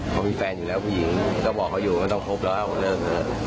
เขามีแฟนอยู่แล้วผู้หญิงก็บอกเขาอยู่ก็ต้องคบแล้วเลิกเถอะ